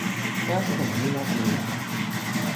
taso tenpo ni la ona li weka.